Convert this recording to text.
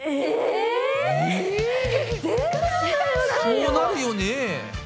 そうなるよね。